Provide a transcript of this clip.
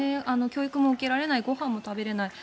教育も受けられないご飯も食べられない